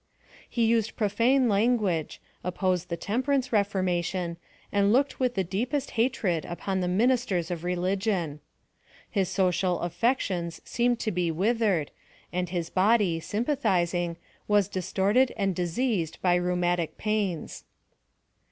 He used profane language, opposed the temperance reformation, and looked with the deepest hatred upon the ministers of religion. His social aflections seemed to be 250 PHILOSOPHY OF THE withered, and his body j sympathizing , was distorted and diseased by rheumatic pains.